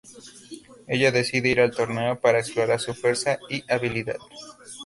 Ella decide ir al torneo para explorar su fuerza y habilidad.